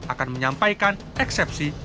akan menyampaikan eksepsi